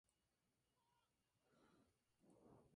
El embargo de los Estados Unidos favorece aún más este objetivo.